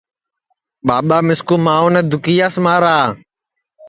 ٻاٻا مِسکُو مانٚؤن دُکِیاس مارا